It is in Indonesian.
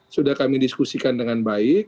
sudah kami diskusikan dengan baik